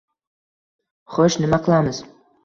Xo`sh, nima qilamiz